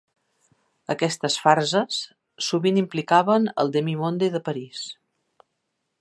Aquestes farses sovint implicaven el "demi-monde" de París.